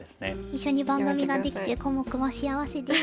一緒に番組ができてコモクも幸せです。